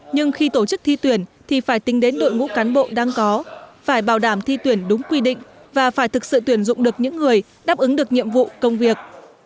nhưng khi tổ chức thi tuyển thì phải tính đến đội ngũ cán bộ đang có phải bảo đảm thi tuyển đúng quy định và phải thực sự tuyển dụng được những người đáp ứng được nhiệm vụ công việc